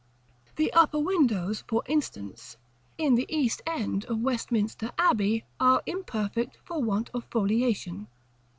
The upper windows, for instance, in the east end of Westminster Abbey are imperfect for want of foliation.